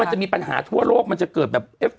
มันจะมีปัญหาทั่วโลกมันจะเกิดแบบเอฟเฟคต์